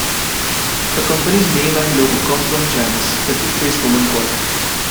The company's name and logo come from Janus, the two-faced Roman god.